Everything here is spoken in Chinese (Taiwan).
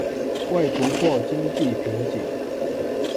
為突破經濟瓶頸